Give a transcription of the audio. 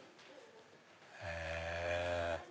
へぇ。